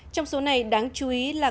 trong số này đáng chú ý là